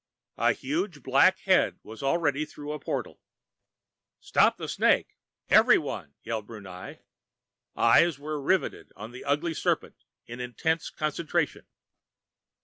The huge black head was already through a portal. "Stop the snake, everyone!" yelled Brunei. Eyes were riveted on the ugly serpent, in intense concentration.